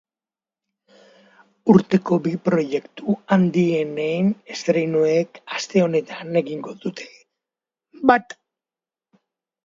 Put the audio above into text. Urteko bi proiektu handienen estreinuek aste honetan egingo dute bat.